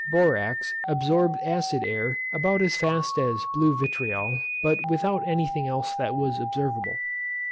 Borax absorbed acid air about as fast as blue vitriol, but without any thing else that was observable.